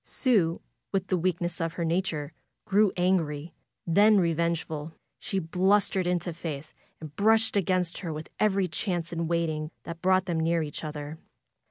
Sue, with the weak ness of her nature, grew angry, then revengeful. She blustered into Faith and brushed against her, with every chance in waiting that brought them near each other.